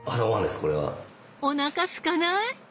おなかすかない？